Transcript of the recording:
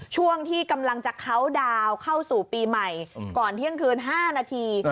ช่วงที่กำลังจะเข้าดาวน์เข้าสู่ปีใหม่ก่อนเที่ยงคืน๕นาที